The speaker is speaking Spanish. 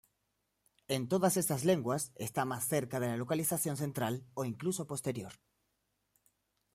En todas estas lenguas, está más cerca de la localización central, o incluso posterior.